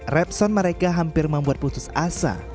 repson mereka hampir membuat putus asa